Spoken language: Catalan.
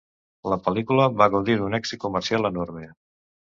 La pel·lícula va gaudir d'un èxit comercial enorme.